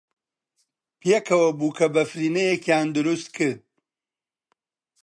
پێکەوە بووکەبەفرینەیەکیان دروست کرد.